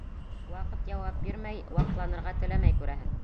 Ваҡыт яуап бирмәй, ваҡланырға теләмәй, күрәһең.